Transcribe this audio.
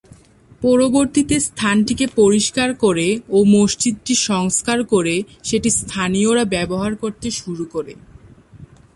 পরবর্তীতে স্থানটিকে পরিষ্কার করে ও মসজিদটি সংস্কার করে সেটি স্থানীয়রা ব্যবহার করতে শুরু করে।